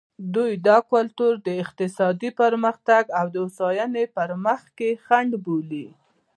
دوی دا کلتور د اقتصادي پرمختګ او هوساینې په مخ کې خنډ بولي.